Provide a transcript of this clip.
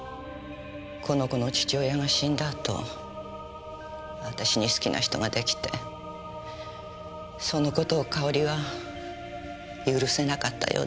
この子の父親が死んだあと私に好きな人が出来てその事をかおりは許せなかったようです。